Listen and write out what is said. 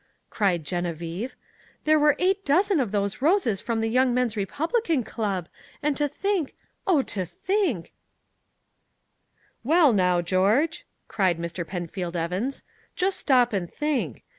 cried Geneviève. "There were eight dozen of those roses from the Young Men's Republican Club, and to think Oh, to think " "Well, now, George," cried Mr. Penfield Evans, "just stop and think.